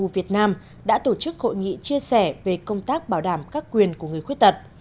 việt nam đã tổ chức hội nghị chia sẻ về công tác bảo đảm các quyền của người khuyết tật